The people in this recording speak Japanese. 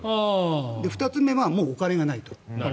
２つ目はもうお金がないと。